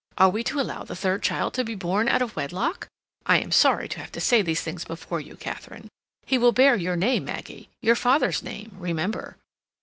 Are we to allow the third child to be born out of wedlock? (I am sorry to have to say these things before you, Katharine.) He will bear your name, Maggie—your father's name, remember."